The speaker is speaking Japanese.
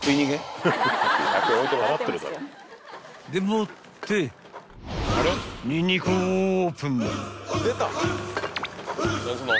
［でもってニンニクをオープン］